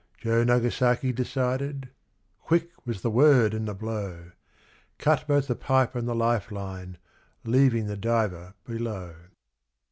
Joe Nagasaki decided quick was the word and the blow Cut both the pipe and the life line, leaving the diver below!